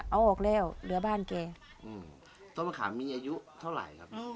เอาออกแล้วเหลือบ้านแกอืมต้นมะขามมีอายุเท่าไหร่ครับ